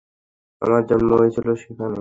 আমার জন্ম হয়েছিল সেখানে।